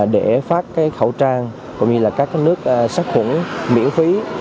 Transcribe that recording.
để phát khẩu trang cũng như các nước sát khủng miễn phí